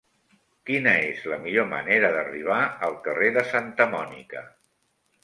Quina és la millor manera d'arribar al carrer de Santa Mònica?